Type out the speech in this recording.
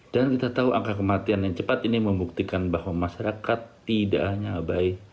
dan kita tahu angka kematian yang cepat ini membuktikan bahwa masyarakat tidak hanya abai